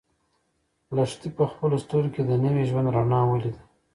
لښتې په خپلو سترګو کې د نوي ژوند رڼا ونه لیده.